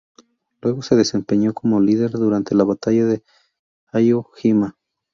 Luego se desempeñó como líder durante la batalla de Iwo Jima.